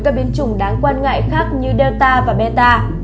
các biến chủng đáng quan ngại khác như delta và meta